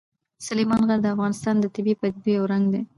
سلیمان غر د افغانستان د طبیعي پدیدو یو رنګ دی.